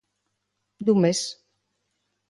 Dun mes.